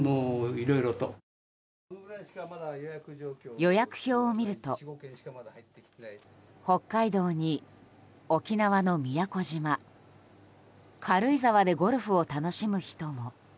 予約表を見ると北海道に、沖縄の宮古島軽井沢でゴルフを楽しむ人も。